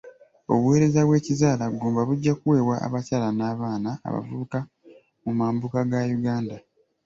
Obuweereza bw'ekizaalaggumba bujja kuweebwa abakyala n'abaana abavubuka mu mambuka ga Uganda.